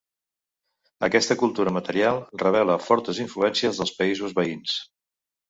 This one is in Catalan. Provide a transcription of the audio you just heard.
Aquesta cultura material revela fortes influències dels països veïns.